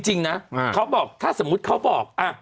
จริงนะถ้าสมมติเขาบอก